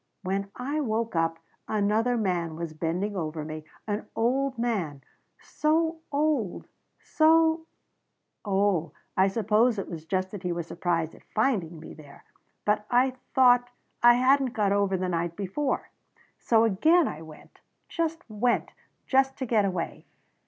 "When I woke up another man was bending over me an old man so old so "Oh, I suppose it was just that he was surprised at finding me there. But I thought I hadn't got over the night before "So again I went. Just went. Just to get away.